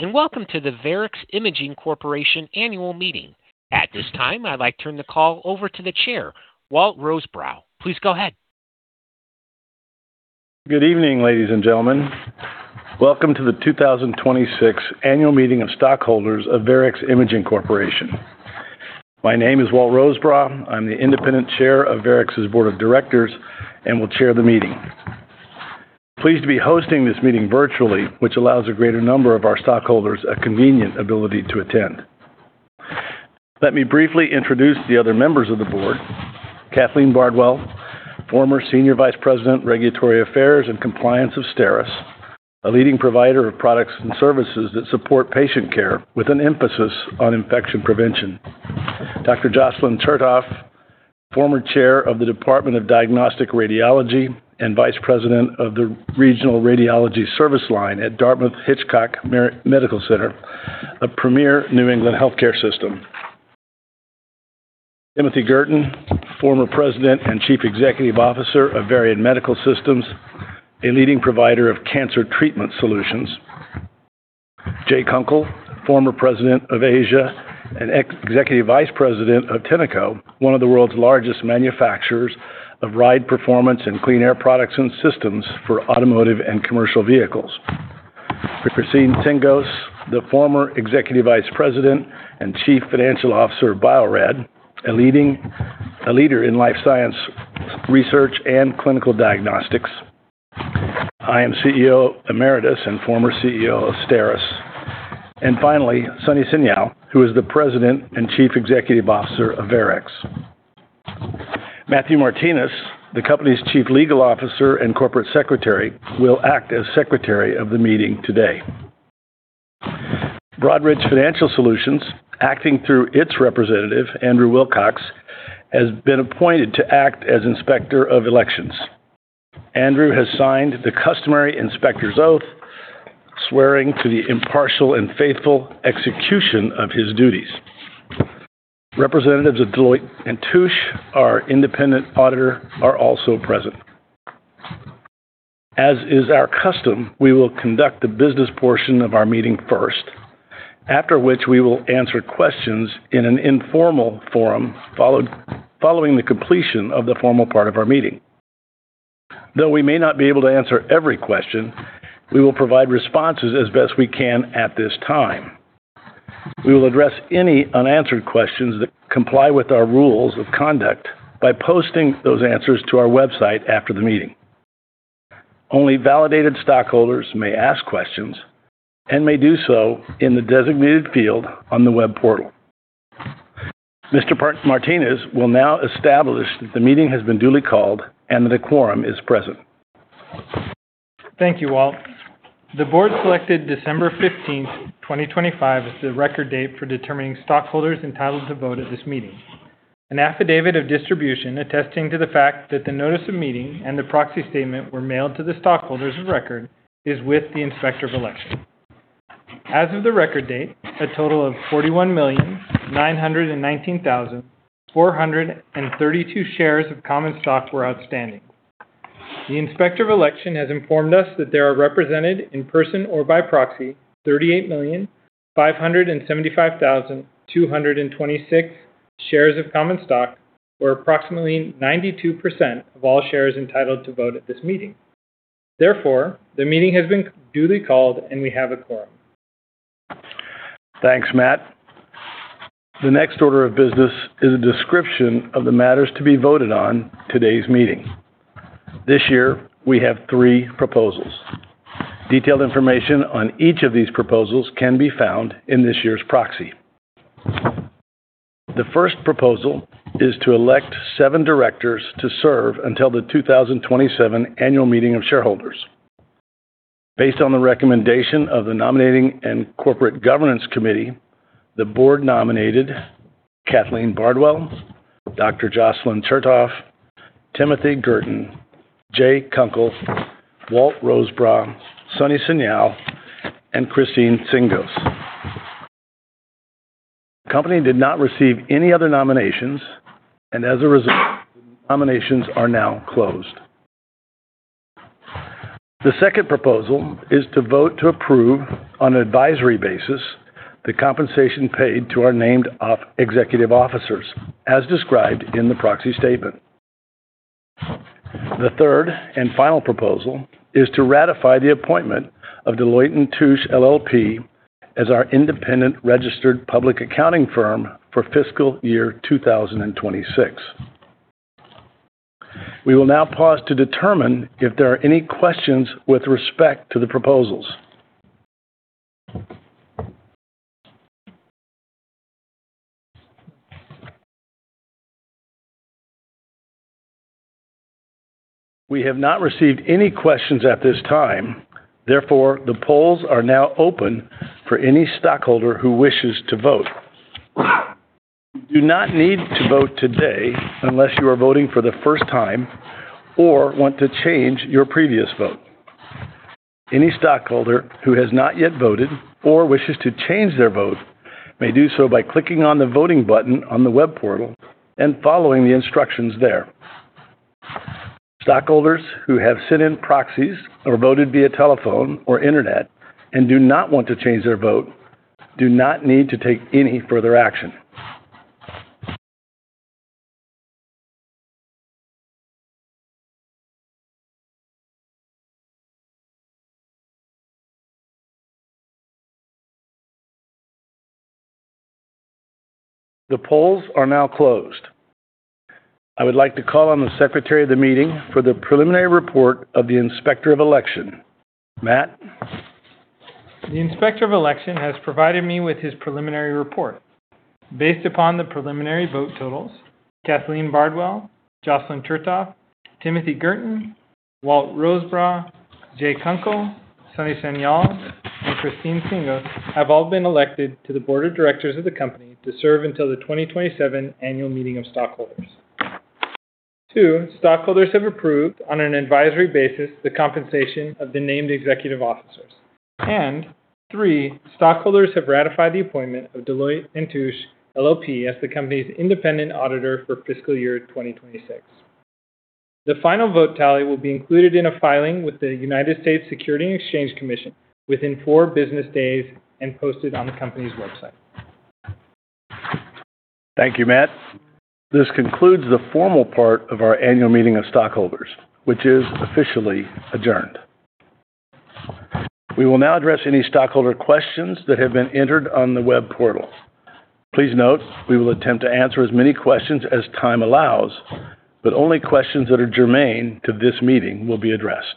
Good day, and welcome to the Varex Imaging Corporation Annual Meeting. At this time, I'd like to turn the call over to the Chair, Walter Rosebrough. Please go ahead. Good evening, ladies and gentlemen. Welcome to the 2026 Annual Meeting of Stockholders of Varex Imaging Corporation. My name is Walter Rosebrough. I'm the independent chair of Varex's Board of Directors and will chair the meeting. Pleased to be hosting this meeting virtually, which allows a greater number of our stockholders a convenient ability to attend. Let me briefly introduce the other members of the board. Kathleen Bardwell, former Senior Vice President, Regulatory Affairs and Compliance of STERIS, a leading provider of products and services that support patient care, with an emphasis on infection prevention. Dr. Jocelyn Chertoff, former Chair of the Department of Diagnostic Radiology and Vice President of the Regional Radiology Service Line at Dartmouth-Hitchcock Medical Center, a premier New England healthcare system. Timothy Guertin, former President and Chief Executive Officer of Varian Medical Systems, a leading provider of cancer treatment solutions. Jay Kunkel, former President of Asia and Executive Vice President of Tenneco, one of the world's largest manufacturers of ride performance, and clean air products and systems for automotive and commercial vehicles. Christine Tsingos, the former Executive Vice President and Chief Financial Officer of Bio-Rad, a leader in life science research, and clinical diagnostics. I am CEO Emeritus and former CEO of STERIS. Finally, Sunny Sanyal, who is the President and Chief Executive Officer of Varex. Matthew Martinez, the company's Chief Legal Officer and Corporate Secretary, will act as Secretary of the meeting today. Broadridge Financial Solutions, acting through its representative, Andrew Wilcox, has been appointed to act as Inspector of Elections. Andrew has signed the customary inspector's oath, swearing to the impartial and faithful execution of his duties. Representatives of Deloitte & Touche, our independent auditor, are also present. As is our custom, we will conduct the business portion of our meeting first, after which we will answer questions in an informal forum, following the completion of the formal part of our meeting. Though we may not be able to answer every question, we will provide responses as best we can at this time. We will address any unanswered questions that comply with our rules of conduct by posting those answers to our website after the meeting. Only validated stockholders may ask questions and may do so in the designated field on the web portal. Mr. Martinez will now establish that the meeting has been duly called and that a quorum is present. Thank you, Walt. The board selected December 15, 2025, as the Record Date for determining stockholders entitled to vote at this meeting. An affidavit of distribution, attesting to the fact that the notice of meeting and the Proxy Statement were mailed to the stockholders of record, is with the Inspector of Election. As of the Record Date, a total of 41,919,432 shares of common stock were outstanding. The Inspector of Election has informed us that they are represented in person or by proxy, 38,575,226 shares of common stock, or approximately 92% of all shares entitled to vote at this meeting. Therefore, the meeting has been duly called, and we have a quorum. Thanks, Matt. The next order of business is a description of the matters to be voted on at today's meeting. This year, we have 3 proposals. Detailed information on each of these proposals can be found in this year's proxy. The first proposal is to elect 7 directors to serve until the 2027 annual meeting of shareholders. Based on the recommendation of the Nominating and Corporate Governance Committee, the board nominated Kathleen Bardwell, Dr. Jocelyn Chertoff, Timothy Guertin, Jay Kunkel, Walt Rosebrough, Sunny Sanyal, and Christine Tsingos. The company did not receive any other nominations, and as a result, nominations are now closed. The second proposal is to vote to approve, on an advisory basis, the compensation paid to our named executive officers, as described in the proxy statement. The third and final proposal is to ratify the appointment of Deloitte & Touche LLP as our independent registered public accounting firm for fiscal year 2026. We will now pause to determine if there are any questions with respect to the proposals. We have not received any questions at this time. Therefore, the polls are now open for any stockholder who wishes to vote. You do not need to vote today unless you are voting for the first time or want to change your previous vote. Any stockholder who has not yet voted or wishes to change their vote may do so by clicking on the voting button on the web portal and following the instructions there. Stockholders who have sent in proxies or voted via telephone or internet and do not want to change their vote, do not need to take any further action. The polls are now closed. I would like to call on the Secretary of the meeting for the preliminary report of the Inspector of Election. Matt? The Inspector of Elections has provided me with his preliminary report. Based upon the preliminary vote totals, Kathleen Bardwell, Jocelyn Chertoff, Timothy Guertin, Walter Rosebrough, Jay Kunkel, Sunny Sanyal, and Christine Tsingos have all been elected to the board of directors of the company to serve until the 2027 annual meeting of stockholders. 2, stockholders have approved, on an advisory basis, the compensation of the named executive officers. 3, stockholders have ratified the appointment of Deloitte & Touche LLP as the company's independent auditor for fiscal year 2026. The final vote tally will be included in a filing with the United States Securities and Exchange Commission within 4 business days and posted on the company's website. Thank you, Matt. This concludes the formal part of our annual meeting of stockholders, which is officially adjourned. We will now address any stockholder questions that have been entered on the web portal. Please note, we will attempt to answer as many questions as time allows, but only questions that are germane to this meeting will be addressed.